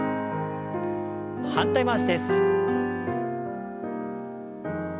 反対回しです。